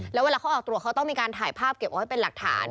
แล้วเวลาเขาออกตรวจเขาต้องมีการถ่ายภาพเก็บเอาไว้เป็นหลักฐาน